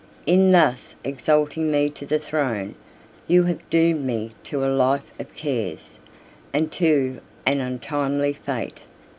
In thus exalting me to the throne, you have doomed me to a life of cares, and to an untimely fate.